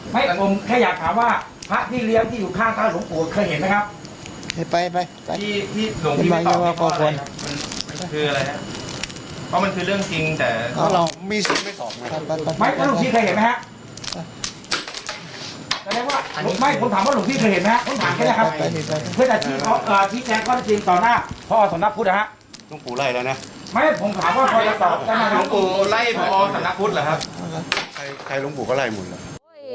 ไม่ผมแค่อยากถามว่าพระที่เลี้ยงที่อยู่ข้างข้างหลวงปู่เคยเห็นมั้ยครับ